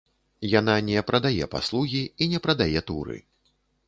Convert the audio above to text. Яна не прадае паслугі і не прадае туры.